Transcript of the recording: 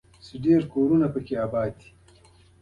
د نباتاتو او حیواناتو پراخو سرچینو ته لاسرسی درلود.